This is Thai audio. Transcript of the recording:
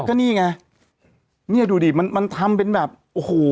ก็นี่ไงเนี่ยดูดิมันมันทำเป็นแบบโอ้โห